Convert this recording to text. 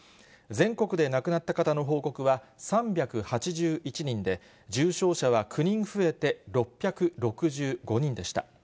全国で亡くなった方の報告は、３８１人で、重症者は９人増えて６６５人でした。